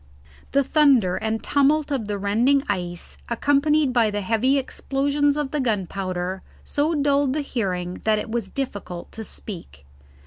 The thunder and tumult of the rending ice accompanied by the heavy explosions of the gunpowder so dulled the hearing that it was difficult to speak.